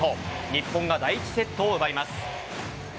日本が第１セットを奪います。